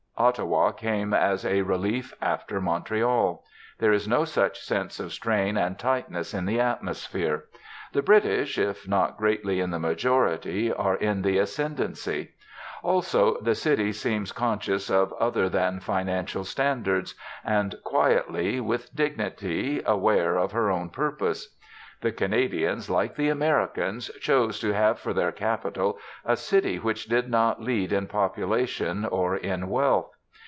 Ottawa came as a relief after Montreal. There is no such sense of strain and tightness in the atmosphere. The British, if not greatly in the majority, are in the ascendency; also, the city seems conscious of other than financial standards, and quietly, with dignity, aware of her own purpose. The Canadians, like the Americans, chose to have for their capital a city which did not lead in population or in wealth.